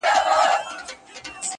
زړونه صبر فیصلو د شنه اسمان ته؛